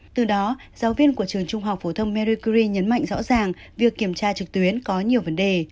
từ đó giáo viên của trường trung học phổ thông merecry nhấn mạnh rõ ràng việc kiểm tra trực tuyến có nhiều vấn đề